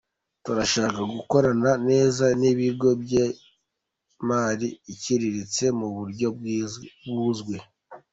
turashaka gukorana neza n’ibigo by’imari iciriritse mu buryo buzwi”.